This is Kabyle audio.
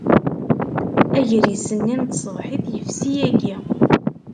Agris-nni n tṣebḥit yefsi yagi.